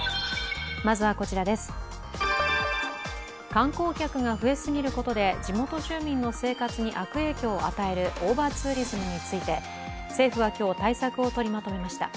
観光客が増えすぎることで、地元住民の生活に悪影響を与えるオーバーツーリズムについて、政府は今日、大作を取りまとめました。